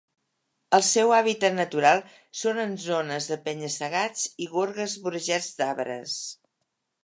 El seu hàbitat natural són en zones de penya-segats i gorgues vorejats d'arbres.